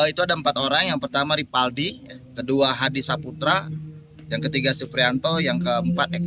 itu ada empat orang yang pertama ripaldi kedua hadi saputra yang ketiga suprianto yang keempat ex